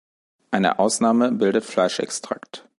Eine Ausnahme bildet Fleischextrakt.